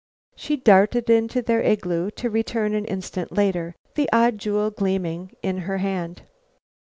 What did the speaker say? She darted into their igloo, to return an instant later, the odd jewel gleaming in her hand.